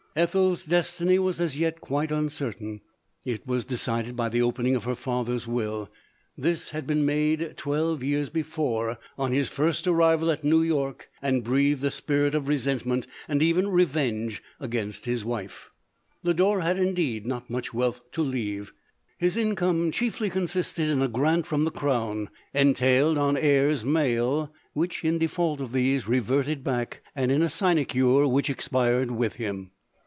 Ethel's destiny was as yet quite uncertain. It was decided by the opening of her father's LODORK. 277 will. This had been made twelve years before on his first arrival at New York, and breathed the spirit of resentment, and even revenge, against his wife. Lodore had indeed not much wealth to leavqp His income chiefly consisted in a grant from the crown, entailed on heirs male, which in default of these, reverted back, and in a sinecure which expired with him.